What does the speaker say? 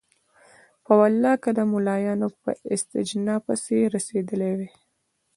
په والله که د ملايانو په استنجا پسې رسېدلي وای.